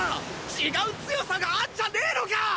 違う強さがあんじゃねえのか！？